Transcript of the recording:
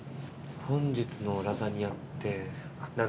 本日のラザニアって何ですか？